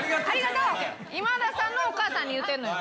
今田さんのお母さんに言うてんのよ。